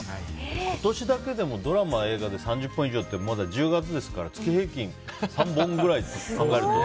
今年だけでもドラマ、映画で３０本以上ってまだ１０月ですから月平均３本くらい、考えると。